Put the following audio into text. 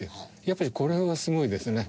やっぱりこれはすごいですね。